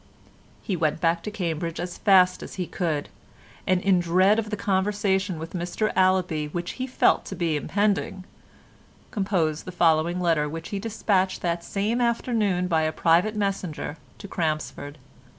He went back to Cambridge as fast as he could go, and in dread of the conversation with Mr Allaby which he felt to be impending, composed the following letter which he despatched that same afternoon by a private messenger to Crampsford.